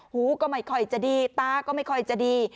หูก็ไม่ค่อยจะดีตาก็ไม่ค่อยจะดี